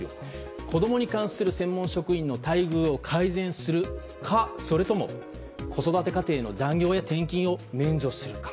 子供に対する専門職員の待遇を改善するかそれとも子育て家庭の残業や転勤を免除するか。